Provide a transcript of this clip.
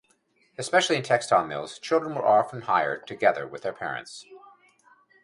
Especially in textile mills, children were often hired together with their parents.